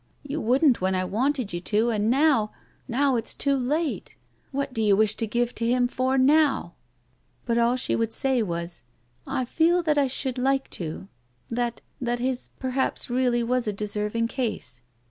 You wouldn't when I wanted you to, and now — now it's too late. What do you wish to give to him for now ?" But all she would say was, " I feel that I should like to, that — that his perhaps really was a deserv ing case.